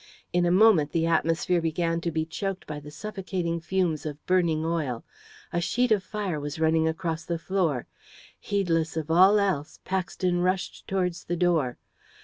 In a moment the atmosphere began to be choked by the suffocating fumes of burning oil. A sheet of fire was running across the floor. Heedless of all else, Paxton rushed towards the door.